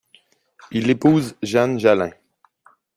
Il épouse Jeanne Jallain.